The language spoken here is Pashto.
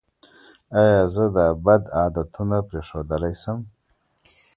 ایا زه دا بد عادتونه پریښودلی شم؟